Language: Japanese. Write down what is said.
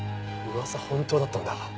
噂本当だったんだ。